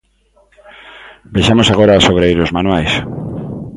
Vexamos agora aos obreiros manuais.